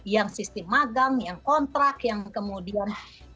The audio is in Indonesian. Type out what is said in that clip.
yang sistem magang yang kontrak yang kemudian